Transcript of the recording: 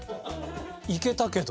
いけたけど。